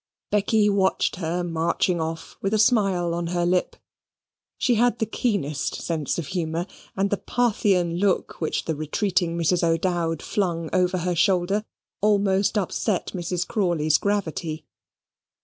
Becky watched her marching off, with a smile on her lip. She had the keenest sense of humour, and the Parthian look which the retreating Mrs. O'Dowd flung over her shoulder almost upset Mrs. Crawley's gravity.